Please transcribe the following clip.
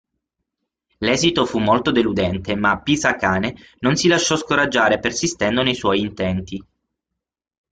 L'esito fu molto deludente ma Pisacane non si lasciò scoraggiare persistendo nei suoi intenti.